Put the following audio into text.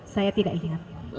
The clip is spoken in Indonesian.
saya tidak ingat